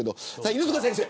犬塚先生。